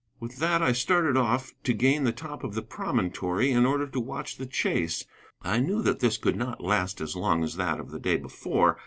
With that I started off to gain the top of the promontory in order to watch the chase. I knew that this could not last as long as that of the day before.